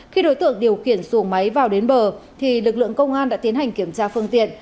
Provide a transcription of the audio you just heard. khi đối tượng điều khiển xuồng máy vào đến bờ lực lượng công an đã tiến hành kiểm tra phương tiện